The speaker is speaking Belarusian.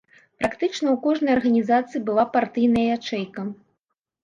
Практычна ў кожнай арганізацыі была партыйная ячэйка.